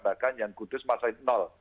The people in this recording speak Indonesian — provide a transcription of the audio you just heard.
bahkan yang kudus masih nol